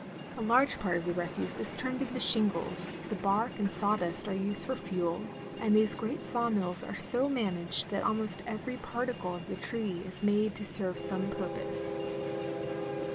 A large part of the refuse is turned into shingles, the bark and sawdust are used for fuel, and these great saw mills are so managed that almost every particle of the tree is made to serve some purpose.